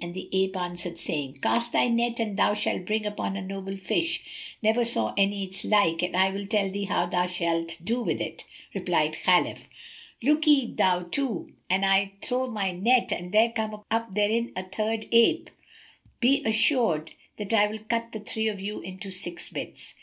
and the ape answered, saying, "Cast thy net and thou shalt bring up a noble fish, never saw any its like, and I will tell thee how thou shalt do with it." Replied Khalif, "Lookee, thou too! An I throw my net and there come up therein a third ape, be assured that I will cut the three of you into six bits."